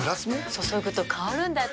注ぐと香るんだって。